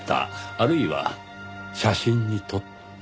あるいは写真に撮った。